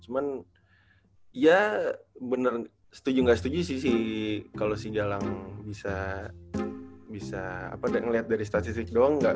cuman ya bener setuju nggak setuju sih kalau si galang bisa ngeliat dari statistik doang